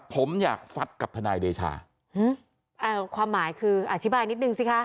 ผมอยากฟัดกับทนายเดชาอืมอ่าความหมายคืออธิบายนิดนึงสิคะ